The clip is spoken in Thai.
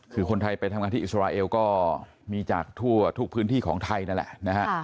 คือคนไทยไปทำงานที่อิสราเอลก็มีจากทั่วทุกพื้นที่ของไทยนั่นแหละนะฮะ